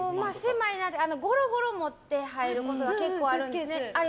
ゴロゴロを持って入ることが結構あるんです。